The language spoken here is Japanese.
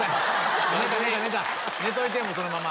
寝といてそのまま。